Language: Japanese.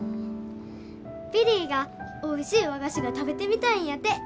Ｈｉ．ビリーがおいしい和菓子が食べてみたいんやて。